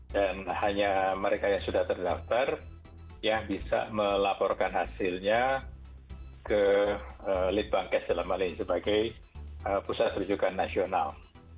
dan hanya mereka yang sudah terdaftar yang bisa melaporkan hasilnya ke litbang kslm sebagai pusat perjukan nasional